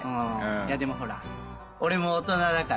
いやでもほら俺も大人だから。